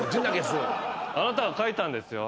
あなたが書いたんですよ。